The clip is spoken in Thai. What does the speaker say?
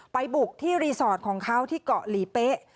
บุกที่รีสอร์ทของเขาที่เกาะหลีเป๊ะ